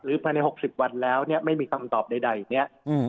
หรือภายในหกสิบวันแล้วเนี้ยไม่มีคำตอบใดใดเนี้ยอืมอืม